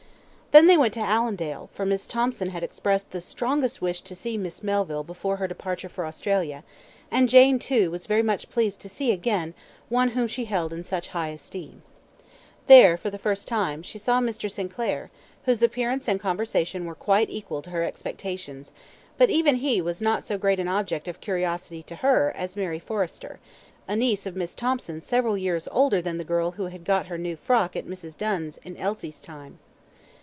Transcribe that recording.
Then they went to Allendale, for Miss Thomson had expressed the strongest wish to see Miss Melville before her departure for Australia, and Jane, too, was very much pleased to see again one whom she held in such high esteem. There, for the first time, she saw Mr. Sinclair, whose appearance and conversation were quite equal to her expectations; but even he was not so great an object of curiosity to her as Mary Forrester a niece of Miss Thomson's several years older than the girl who had got her new frock at Mrs. Dunn's, in Elsie's time.